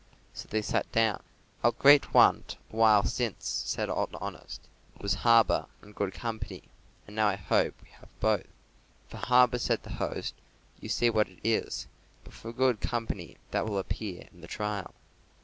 So they sat down. "Our great want a while since," said Old Honest, "was harbour and good company, and now I hope we have both." "For harbour," said the host, "you see what it is, but for good company that will appear in the trial."